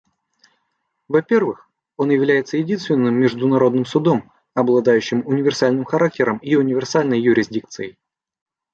Во-первых, он является единственным международным судом, обладающим универсальным характером и универсальной юрисдикцией.